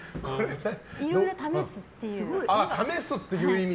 いろいろ試すっていう。